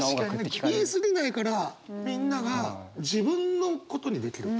言い過ぎないからみんなが自分のことにできる。